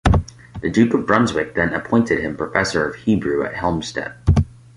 The Duke of Brunswick then appointed him professor of Hebrew at Helmstedt.